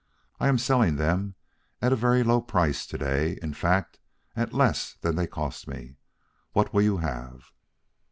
I am selling them at a very low price to day, in fact at less than they cost me. What will you have?"